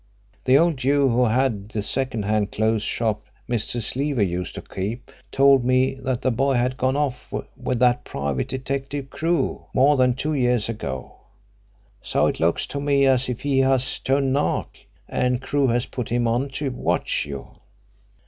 The old Jew who had the second hand clothes shop Mrs. Leaver used to keep told me that the boy had gone off with that private detective, Crewe, more than two years ago. So it looks to me as if he has turned nark and Crewe has put him on to watch you."